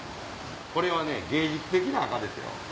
これはね芸術的な赤ですよ。